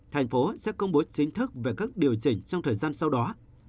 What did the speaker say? thành phố sẽ công bố chính thức về các điều chỉnh trong thời gian sau đó